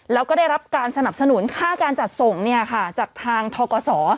แล้วก็ได้รับการสนับสนุนค่าการจัดส่งจากทางทกศ